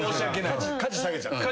価値下げちゃったね。